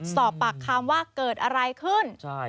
สอบปากคำว่าเกิดอะไรขึ้น